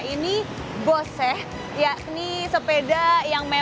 ini bose yakni sepeda yang mewah